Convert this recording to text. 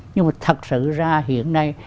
nhưng mà thật sự ra hiện nay